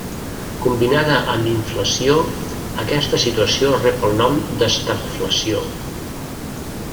Combinada amb inflació aquesta situació rep el nom d'estagflació.